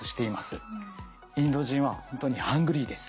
インド人は本当にハングリーです。